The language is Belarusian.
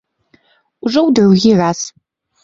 Ужо ў другі раз.